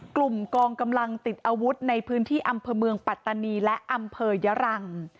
กลุ่มกองกำลังติดอาวุธในพื้นที่อำเภอเมืองปัตตานีและอำเภอยะรัง